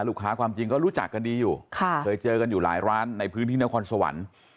ความจริงก็รู้จักกันดีอยู่เคยเจอกันอยู่หลายร้านในพื้นที่นครสวรรค์